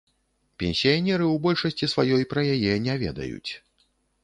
Пенсіянеры ў большасці сваёй пра яе не ведаюць.